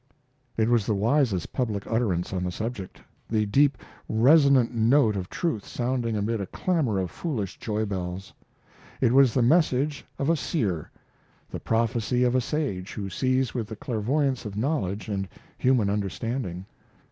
It was the wisest public utterance on the subject the deep, resonant note of truth sounding amid a clamor of foolish joy bells. It was the message of a seer the prophecy of a sage who sees with the clairvoyance of knowledge and human understanding.